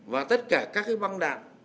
và tất cả các băng đạn